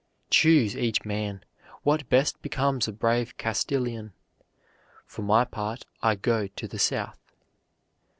Choose, each man, what best becomes a brave Castilian. For my part, I go to the south."